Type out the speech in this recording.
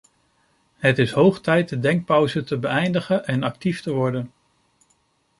Het is hoog tijd de denkpauze te beëindigen en actief te worden.